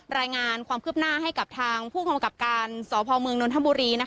รายงานความคืบหน้าให้กับทางผู้กำกับการสพเมืองนทบุรี